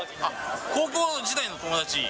高校時代の友達。